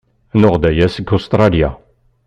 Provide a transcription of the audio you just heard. Nuɣ-d aya seg Ustṛalya.